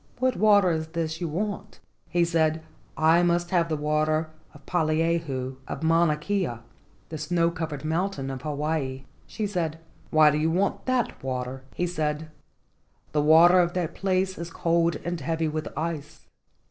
"What water is this you want?" He said, "I must have the water of Poliahu of Mauna Kea, the snow covered mountain of Hawaii." LEGENDS OF GHOSTS 156 She said, "Why do you want that water?" He said: "The water of that place is cold and heavy with ice.